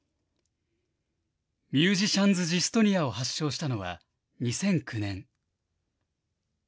ミュージシャンズ・ジストニアを発症したのは、２００９年。